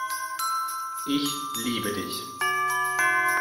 Ich liebe Dich.